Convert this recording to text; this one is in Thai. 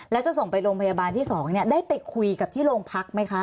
แล้วจะส่งไปโรงพยาบาลที่๒ได้ไปคุยกับที่โรงพักไหมคะ